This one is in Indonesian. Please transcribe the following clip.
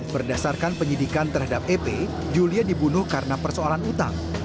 berdasarkan penyidikan terhadap ep julia dibunuh karena persoalan utang